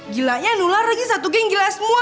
gilanya nular lagi satu geng gila semua